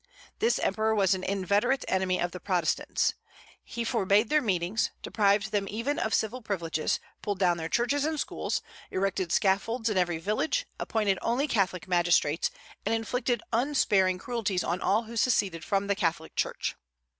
This emperor was an inveterate enemy of the Protestants. He forbade their meetings, deprived them even of civil privileges, pulled down their churches and schools, erected scaffolds in every village, appointed only Catholic magistrates, and inflicted unsparing cruelties on all who seceded from the Catholic church.